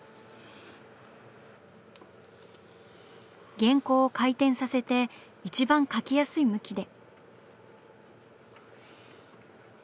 原稿を回転させて一番描きやすい向きで。